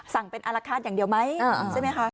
สั่งเป็นอลคาตอย่างเดียวไหม